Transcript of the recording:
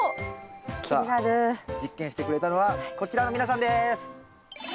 さあ実験してくれたのはこちらの皆さんです！